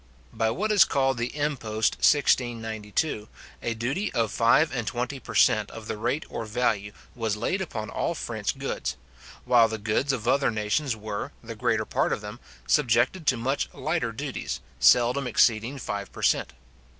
By what is called the impost 1692, a duty of five and twenty per cent. of the rate or value, was laid upon all French goods; while the goods of other nations were, the greater part of them, subjected to much lighter duties, seldom exceeding five per cent.